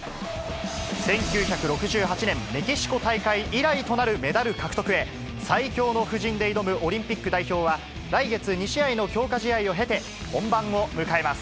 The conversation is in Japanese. １９６８年メキシコ大会以来となるメダル獲得へ、最強の布陣で挑むオリンピック代表は、来月２試合の強化試合を経て、本番を迎えます。